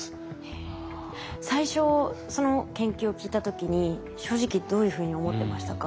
最初その研究を聞いた時に正直どういうふうに思ってましたか？